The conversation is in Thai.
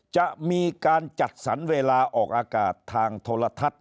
จะมีการจัดสรรเวลาออกอากาศทางโทรทัศน์